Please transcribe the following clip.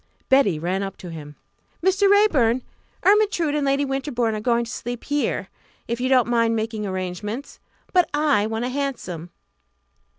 Betty ran up to him. "Mr. Raeburn! Ermyntrude and Lady Winterbourne are going to sleep here, if you don't mind making arrangements. But I want a hansom."